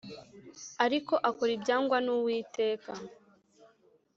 Ariko akora ibyangwa n Uwiteka